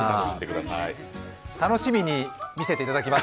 楽しみに見せていただきます。